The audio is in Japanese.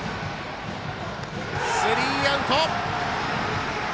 スリーアウト。